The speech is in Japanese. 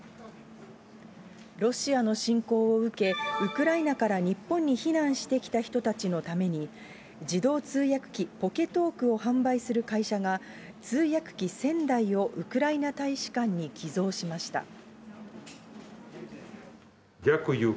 ロシアの侵攻を受け、ウクライナから日本に避難してきた人たちのために、自動通訳機、ポケトークを販売する会社が、通訳機１０００台をウクライナ大使館に寄贈しました。